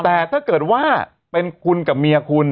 แต่ถ้าเกิดว่าเป็นคุณกับเมียคุณ